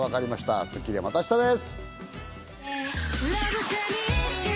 『スッキリ』はまた明日です。